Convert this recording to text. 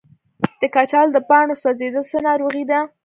د کچالو د پاڼو سوځیدل څه ناروغي ده؟